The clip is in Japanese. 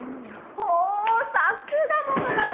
おおさすが元カノ！